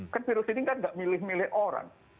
kan virus ini kan gak milih milih orang